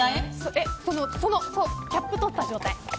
キャップを取った状態。